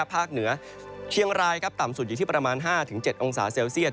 เหนือเชียงรายต่ำสุดอยู่ที่ประมาณ๕๗องศาเซลเซียต